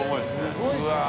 すごい